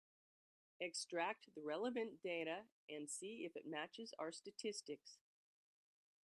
Extract the relevant data and see if it matches our statistics.